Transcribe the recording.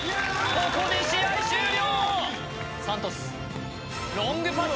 ここで試合終了